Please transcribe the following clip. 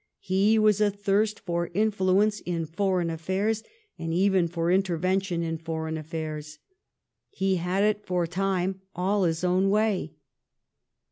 He was athirst for influence in foreign affairs and even for intervention in foreign affairs. He had it for a time all his own way.